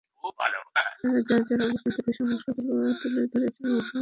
তাঁরা যাঁর যাঁর অবস্থান থেকে সমস্যাগুলো তুলে ধরেছেন এবং সমাধানের পরামর্শ দিয়েছেন।